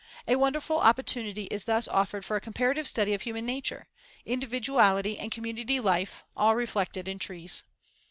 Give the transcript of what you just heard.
A wonderful opportunity is thus offered for a comparative study of human nature individuality and community life, all reflected in trees.